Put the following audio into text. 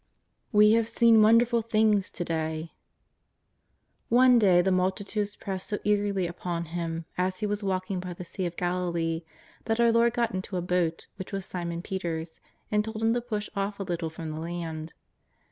''we have seen wonderful things to day/' One day the multitudes pressed so eagerly upon Him as He was walking by the Sea of Galilee, that our Lord got into a boat, which was Simon Peter's, and told him to push off a little from the land.